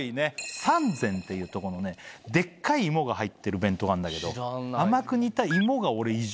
燦膳っていうとこのデッカい芋が入ってる弁当があんだけど甘く煮た。